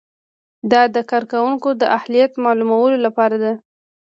دا د کارکوونکي د اهلیت معلومولو لپاره ده.